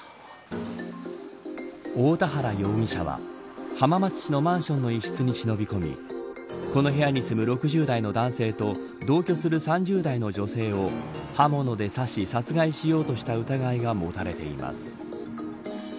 大田原容疑者は、浜松市のマンションの一室に忍び込みこの部屋に住む６０代の男性と同居する３０代の女性を刃物で刺し、殺害しようとした疑いが持たれています。